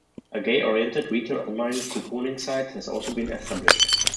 A gay-oriented retail online couponing site has also been established.